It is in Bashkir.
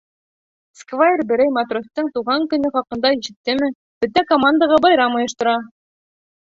Сквайр берәй матростың тыуған көнө хаҡында ишеттеме, бөтә командаға байрам ойоштора.